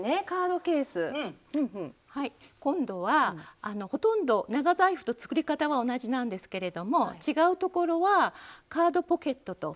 今度はほとんど長財布と作り方は同じなんですけれども違うところはカードポケットとファスナーをつけないというところです。